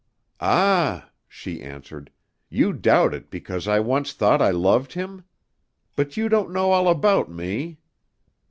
"Ah!" she answered; "you doubt it because I once thought I loved him? But you don't know all about me...."